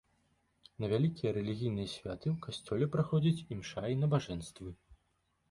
На вялікія рэлігійныя святы ў касцёле праходзяць імша і набажэнствы.